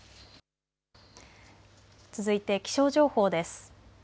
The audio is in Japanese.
続いて気象情報です。